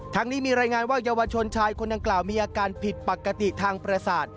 นี้มีรายงานว่าเยาวชนชายคนดังกล่าวมีอาการผิดปกติทางประสาท